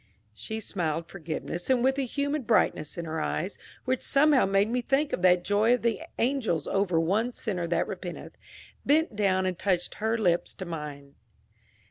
She smiled forgiveness, and with a humid brightness in her eyes, which somehow made me think of that joy of the angels over one sinner that repenteth, bent down and touched her lips to mine.